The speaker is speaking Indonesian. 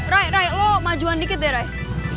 raya lo majuin dikit deh raya